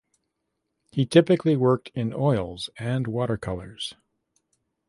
He typically worked in oils and water colours.